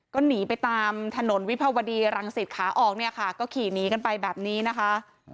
ก็หนีไปตามถนนวิภาวดีรังสิตขาออกเนี่ยค่ะก็ขี่หนีกันไปแบบนี้นะคะ